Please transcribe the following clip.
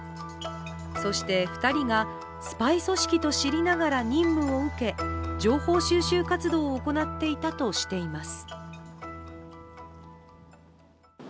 そして２人がスパイ組織と知りながら任務を受け情報収集活動を行っていたとしています。